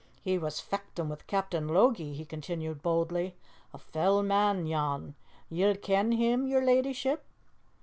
"He was fechtin' wi' Captain Logie," he continued boldly, "a fell man yon ye'll ken him, yer leddyship?"